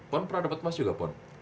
puan pernah dapat emas juga puan